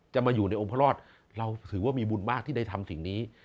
จะมาอยู่ในองค์พระรอดเราถือว่ามีบุญมากที่ได้ทำสิ่งนี้